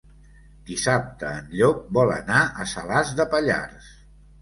Dissabte en Llop vol anar a Salàs de Pallars.